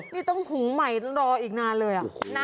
นี่ต้องหุงใหม่ต้องรออีกนานเลย